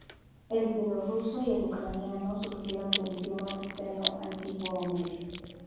El bielorruso y el ucraniano surgieron del idioma ruteno antiguo o medio.